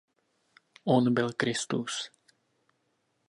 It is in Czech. On byl Kristus.